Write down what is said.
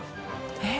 えっ。